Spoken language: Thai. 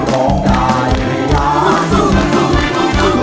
ร้องได้ไง